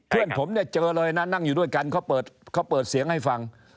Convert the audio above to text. เพื่อนผมเนี่ยเจอเลยนะนั่งอยู่ด้วยกันเขาเปิดเสียงให้ฟัง